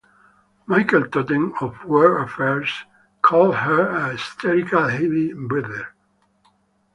Michael Totten of "World Affairs" called her a "hysterical heavy-breather".